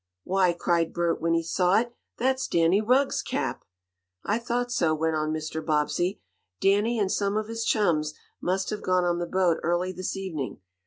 "Why!" cried Bert when he saw it. "That's Danny Rugg's cap!" "I thought so," went on Mr. Bobbsey. "Danny, and some of his chums, must have gone on the boat early this evening.